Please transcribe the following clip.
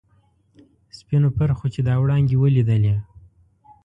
سپینو پرخو چې دا وړانګې ولیدلي.